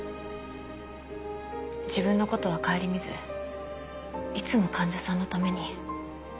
自分のことは顧みずいつも患者さんのために。